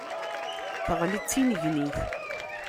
Teɣli d tinnegnit.